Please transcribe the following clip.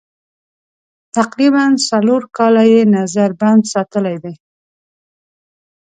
تقریباً څلور کاله یې نظر بند ساتلي دي.